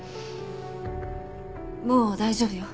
もう大丈夫よ。